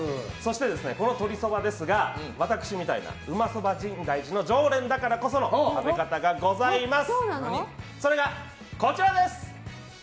とりそばですが私みたいな馬そば深大寺の常連だからこその食べ方がございます。